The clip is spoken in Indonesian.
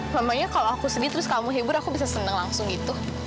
mamanya kalau aku sedih terus kamu hibur aku bisa seneng langsung gitu